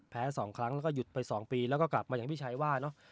๒ครั้งแล้วก็หยุดไป๒ปีแล้วก็กลับมาอย่างพี่ชัยว่าเนอะ